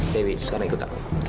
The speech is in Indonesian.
dewi sekarang ikut aku